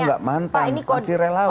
kita gak mantan masih relawan